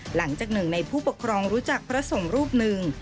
หลังจากหนึ่งในผู้ปกครองรู้จักพระสงฆ์รูปหนึ่ง